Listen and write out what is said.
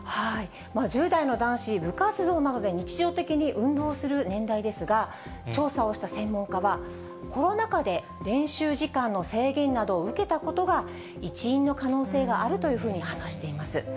１０代の男子、部活動などで日常的に運動する年代ですが、調査をした専門家は、コロナ禍で練習時間の制限などを受けたことが、一因の可能性があるというふうに話しています。